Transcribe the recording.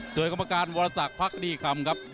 ส่วนกรรมการวรสักพักดีคำครับ